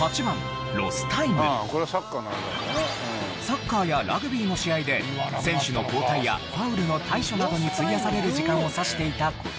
サッカーやラグビーの試合で選手の交代やファウルの対処などに費やされる時間を指していた言葉。